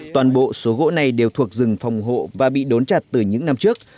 toàn bộ số gỗ này đều thuộc rừng phòng hộ và bị đốn chặt từ những năm trước